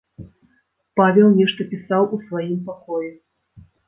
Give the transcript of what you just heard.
Павел нешта пісаў у сваім пакоі.